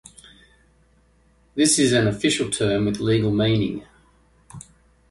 This is an official term with legal meaning.